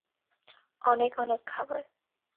অনেক অনেক খাবার।